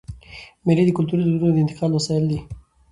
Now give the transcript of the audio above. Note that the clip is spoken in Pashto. مېلې د کلتوري دودونو د انتقال وسایل دي.